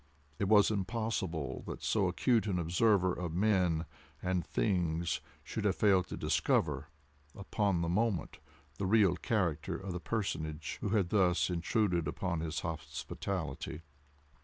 It was impossible that so accurate an observer of men and things should have failed to discover, upon the moment, the real character of the personage who had thus intruded upon his hospitality.